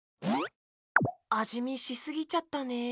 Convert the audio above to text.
あじみしすぎちゃったね。